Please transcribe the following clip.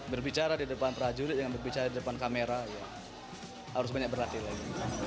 berbicara di depan prajurit dengan berbicara di depan kamera ya harus banyak berlatih lagi